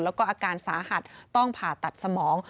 แล้วก็อาการสาหัสต้องผ่าตัดสมอง